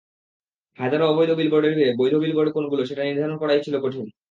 হাজারো অবৈধ বিলবোর্ডের ভিড়ে বৈধ বিলবোর্ড কোনগুলো, সেটা নির্ধারণ করাই ছিল কঠিন।